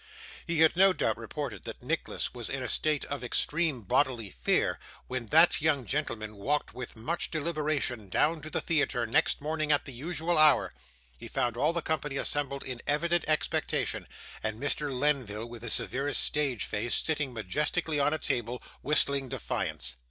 He had no doubt reported that Nicholas was in a state of extreme bodily fear; for when that young gentleman walked with much deliberation down to the theatre next morning at the usual hour, he found all the company assembled in evident expectation, and Mr. Lenville, with his severest stage face, sitting majestically on a table, whistling defiance.